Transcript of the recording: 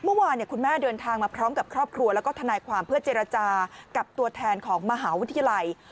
เมื่อวานคุณแม่เดินทางมาพร้อมกับครอบครัวแล้วก็ทนายความเพื่อเจรจากับตัวแทนของมหาวิทยาลัย